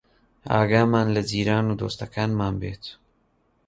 ئاگامان لە جیران و دۆستەکانمان بێت